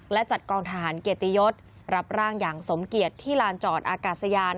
และจัดกองทหารเกียรติยศรับร่างอย่างสมเกียจที่ลานจอดอากาศยาน